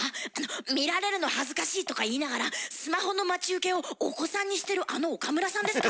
見られるの恥ずかしいとか言いながらスマホの待ち受けをお子さんにしてるあの岡村さんですか？